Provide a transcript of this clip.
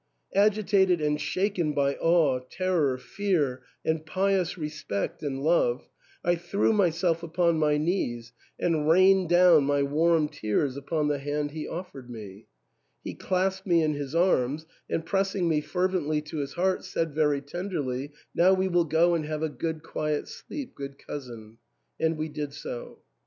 " Agitated and shaken by awe, terror, fear, and pious respect and love, I threw myself upon my knees and rained down my warm tears upon the hand he offered me. He clasped me in his arms, and pressing me fervently to his heart said very tenderly, " Now we will go and have a good quiet sleep, good cousin ;" and we did so.